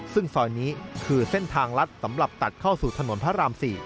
ซึ่งซอยนี้คือเส้นทางลัดสำหรับตัดเข้าสู่ถนนพระราม๔